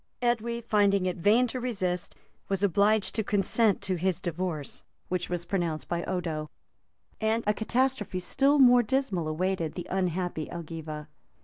[] Edwy, finding it in vain to resist, was obliged to consent to his divorce, which was pronounced by Odo;[] and a catastrophe still more dismal awaited the unhappy Elgiva.